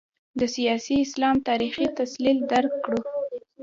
د سیاسي اسلام تاریخي تسلسل درک کړو.